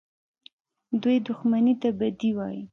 دوى دښمني ته بدي وايي.